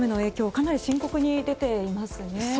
かなり深刻に出ていますね。